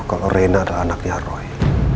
kalau reinna adalah anaknya roy